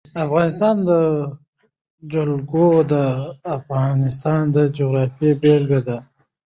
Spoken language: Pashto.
د افغانستان جلکو د افغانستان د جغرافیې بېلګه ده.